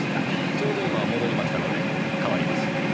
ちょうど今戻りましたので代わります。